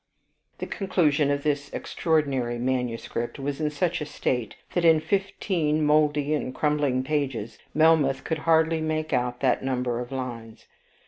..... The conclusion of this extraordinary manuscript was in such a state, that, in fifteen moldy and crumbling pages, Melmoth could hardly make out that number of lines.